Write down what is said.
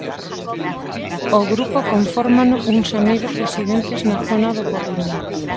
O grupo confórmano uns amigos residentes na zona do Porriño.